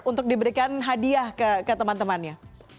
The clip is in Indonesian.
untuk diberikan hadiah ke teman temannya